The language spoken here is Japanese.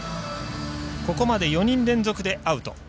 ここまで４人連続でアウト。